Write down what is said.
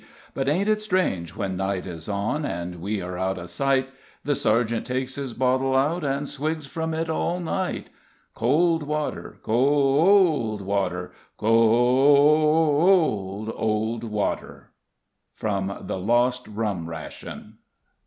But ain't it strange when night is on And we are out o' sight, The sergeant takes his bottle out And swigs from it all night Cold water Co o old water Co o, o o, o o, o o, co o old water. (_From "The Lost Rum Ration."